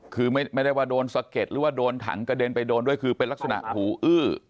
คือไม่ได้ว่าโดนสะเก็ดหรือว่าโดนถังกระเด็นไปโดนด้วยคือเป็นลักษณะหูอื้อ